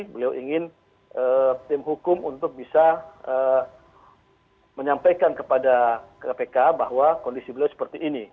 beliau ingin tim hukum untuk bisa menyampaikan kepada kpk bahwa kondisi beliau seperti ini